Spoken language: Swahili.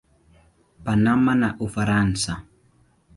Panama na Ufaransa.